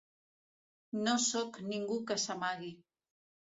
No sóc ningú que s’amagui.